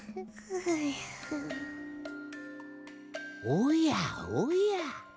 おやおや。